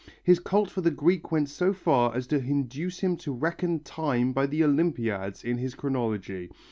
His cult for the Greek went so far as to induce him to reckon time by the Olympiads in his chronology.